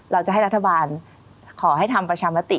เราจะให้รัฐบาลขอให้ทำประชามติ